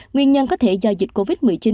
nguyên nhân có thể do dịch covid một mươi chín